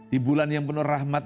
di bulan yang penuh rahmat